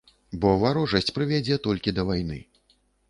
Бо варожасць прывядзе толькі да вайны.